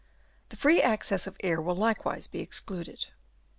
The free access of air will likewise be excluded.